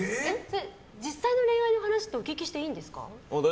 実際の恋愛の話ってお聞きしていいんですか？